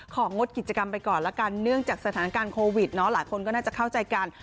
ของดกิจกรรมไปก่อนแล้วกัน